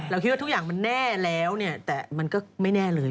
คิดว่าทุกอย่างมันแน่แล้วเนี่ยแต่มันก็ไม่แน่เลย